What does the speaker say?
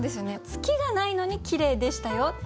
「月がないのに綺麗でしたよ」。